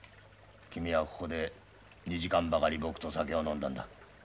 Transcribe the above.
君はここで２時間ばかり僕と酒を飲んだんだ。